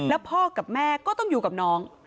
แล้วพ่อกับแม่ก็ต้องอยู่กับน้อง